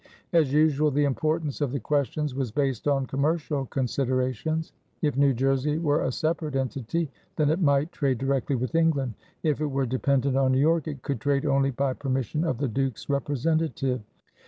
As usual the importance of the questions was based on commercial considerations. If New Jersey were a separate entity then it might trade directly with England; if it were dependent on New York it could trade only by permission of the Duke's representative.